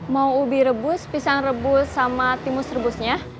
mau ubi rebus pisang rebus sama timus rebusnya